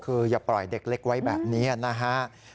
คืออย่าปล่อยเด็กเล็กไว้แบบนี้นะฮะ